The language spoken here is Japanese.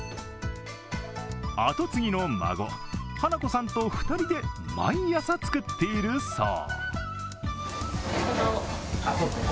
跡継ぎの孫、華子さんと２人で毎朝作っているそう。